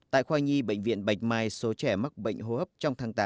tại khoa nhi bệnh viện bạch mai số trẻ mắc bệnh hô hấp trong tháng tám